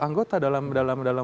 sepuluh anggota dalam